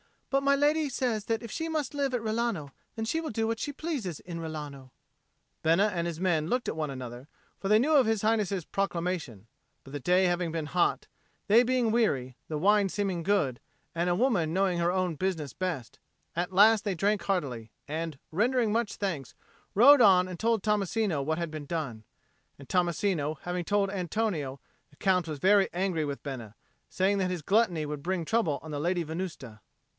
"But my lady says that if she must live at Rilano, then she will do what she pleases in Rilano." Bena and his men looked at one another, for they knew of His Highness's proclamation, but the day having been hot, they being weary, the wine seeming good, and a woman knowing her own business best, at last they drank heartily, and, rendering much thanks, rode on and told Tommasino what had been done. And Tommasino having told Antonio, the Count was angry with Bena, saying that his gluttony would bring trouble on the Lady Venusta.